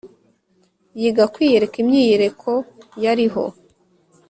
yiga kwiyereka imyiyereko yariho